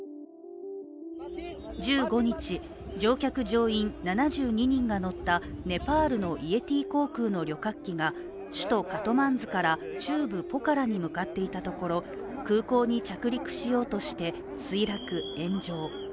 １５日、乗客・乗員７２人が乗ったネパールのイエティ航空の旅客機が首都カトマンズから中部ポカラに向かっていたところ、空港に着陸しようとして墜落、炎上。